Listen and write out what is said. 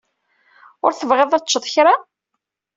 Ur tebɣiḍ ad teččeḍ kra?